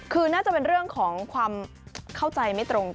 คือน่าจะเป็นเรื่องของความเข้าใจไม่ตรง